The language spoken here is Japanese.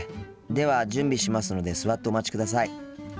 では準備しますので座ってお待ちください。